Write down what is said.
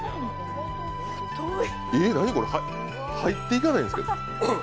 えっ、何これ、入っていかないんですけど。